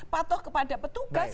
patuh kepada petugas